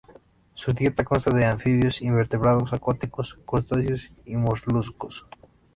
Su dieta consta de anfibios, invertebrados acuáticos, crustáceos y moluscos.